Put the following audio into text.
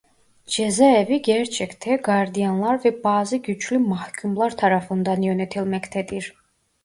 Cezaevi gerçekte gardiyanlar ve bazı güçlü mahkûmlar tarafından yönetilmektedir.